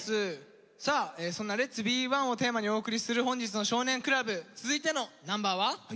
さあそんな「Ｌｅｔ’ｓｂｅｏｎｅ」をテーマにお送りする本日の「少年倶楽部」続いてのナンバーは？